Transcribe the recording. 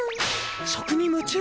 食に夢中！？